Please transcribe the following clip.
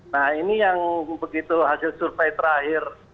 nah ini yang begitu hasil survei terakhir